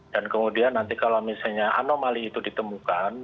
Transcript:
dan kemudian nanti kalau misalnya anomali itu ditemukan